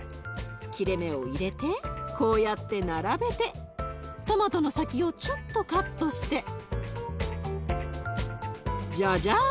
切れ目を入れてこうやって並べてトマトの先をちょっとカットしてジャジャーン！